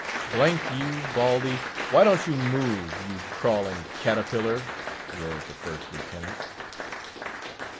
"D——n you, Baldy, why don't you move, you crawling caterpillar;" roared the First Lieutenant.